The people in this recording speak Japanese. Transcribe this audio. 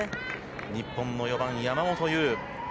日本の４番、山本優。